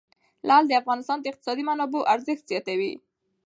لعل د افغانستان د اقتصادي منابعو ارزښت زیاتوي.